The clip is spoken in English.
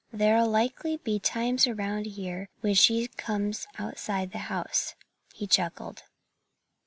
"There'll be lively times around here when she comes outside the house," he chuckled.